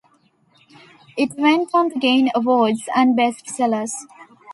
It went on to gain awards and bestellers.